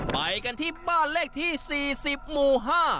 ไปกันที่บ้านเลขที่สี่สิบหมู่ห้า